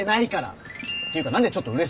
ていうか何でちょっとうれしそうなの？